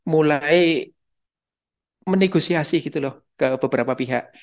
mulai menegosiasi gitu loh ke beberapa pihak